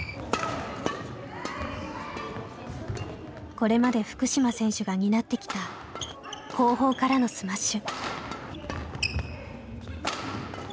これまで福島選手が担ってきた後方からのスマッシュ。